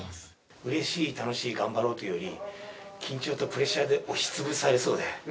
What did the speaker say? うれしい、楽しい、頑張ろうというより、緊張とプレッシャーで押しつぶされそうで。